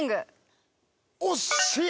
惜しい。